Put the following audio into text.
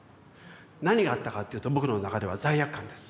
何があったかっていうと僕の中では罪悪感です。